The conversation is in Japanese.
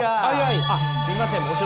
あっすみません